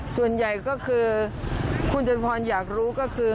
ส่วนใหญ่คุณเจษฟรรณอยากรู้คือ